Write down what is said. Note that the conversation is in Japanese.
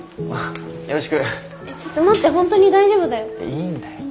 いいんだよ。